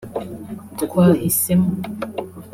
twahisemo